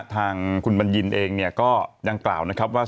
ทางขุลบัญญินย์เองก็ย้างกล่าวว่า